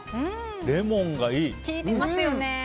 レモンがいい。